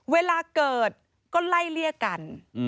เวลาเกิดก็ไล่เลี่ยกัน